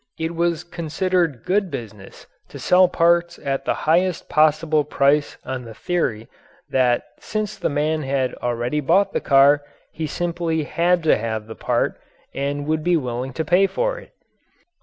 It was considered good business to sell parts at the highest possible price on the theory that, since the man had already bought the car, he simply had to have the part and would be willing to pay for it.